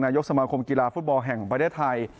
ยกสมาคมกีฬาฟุตบอลแห่งประเทศไทย